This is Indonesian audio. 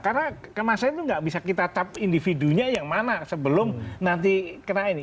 karena kemasan itu nggak bisa kita cap individunya yang mana sebelum nanti kena ini